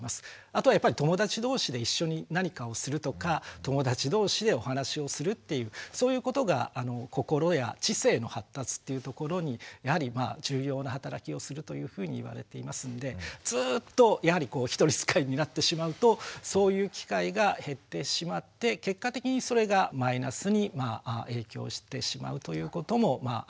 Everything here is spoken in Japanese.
あとはやっぱり友達同士で一緒に何かをするとか友達同士でお話しをするっていうそういうことが心や知性の発達っていうところにやはり重要な働きをするというふうに言われていますのでずっと一人使いになってしまうとそういう機会が減ってしまって結果的にそれがマイナスに影響してしまうということもあるのかなという気がします。